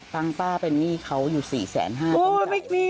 ตั้งป้าเป็นหนี้เขาอยู่๔๕๐๐๐๐บาทต้องได้